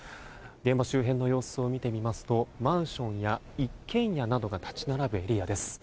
現場周辺の様子を見てみますとマンションや一軒家などが立ち並ぶエリアです。